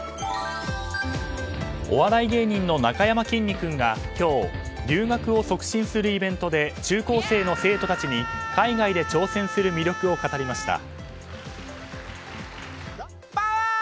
お笑い芸人のなかやまきんに君が今日、留学を促進するイベントで中高生の生徒たちに海外で挑戦する魅力を語りました。